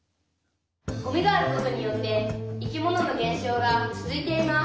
「ゴミがあることによって生き物の減少が続いています」。